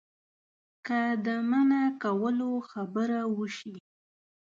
که د منع کولو خبره وشي.